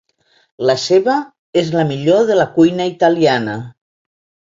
La seva és el millor de la cuina italiana.